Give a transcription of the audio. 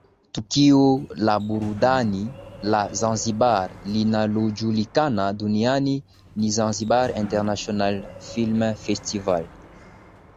Tukio la burudani la Zanzibar linalojulikana duniani ni Zanzibar International Film Festival